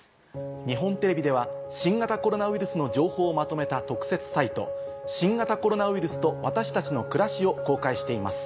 日本テレビでは新型コロナウイルスの情報をまとめた特設サイト。を公開しています。